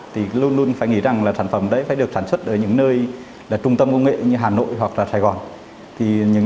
thì luôn luôn phải nghĩ rằng là sản phẩm đấy phải được sản xuất ở những nơi là trung tâm công nghệ như hà nội hoặc là sài gòn